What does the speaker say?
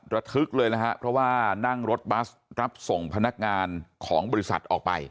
ระทึกเลยนะฮะเพราะว่านั่งรถบัสรับส่งพนักงานของบริษัทออกไป